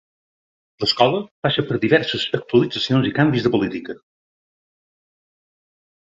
L'escola passa per diverses actualitzacions i canvis de política.